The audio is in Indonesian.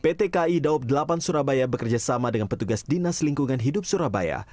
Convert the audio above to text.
pt kai daob delapan surabaya bekerjasama dengan petugas dinas lingkungan hidup surabaya